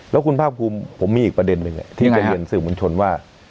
แล้วคุณภาคภูมิผมมีอีกประเด็นหนึ่งที่จะเรียนสื่อมวลชนว่า